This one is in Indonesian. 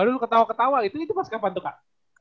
lalu ketawa ketawa itu pas kapan tuh kak